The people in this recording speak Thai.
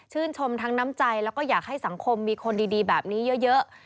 ชมทั้งน้ำใจแล้วก็อยากให้สังคมมีคนดีแบบนี้เยอะ